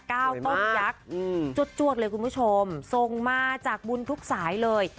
๙ต้นยักษ์จวดเลยคุณผู้ชมทรงมาจากบุญทุกสายเลย